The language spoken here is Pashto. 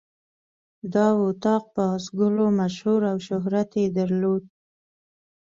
دا اطاق په آس ګلو مشهور او شهرت یې درلود.